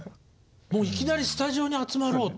もういきなりスタジオに集まろうと。